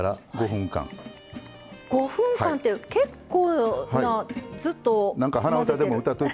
５分間って結構なずっと混ぜてる。